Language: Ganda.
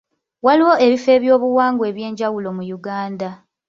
Waliwo ebifo by'ebyobuwangwa ebyenjawulo mu Uganda.